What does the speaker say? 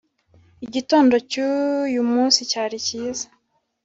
igitondo cyu yumunsi cyari kiza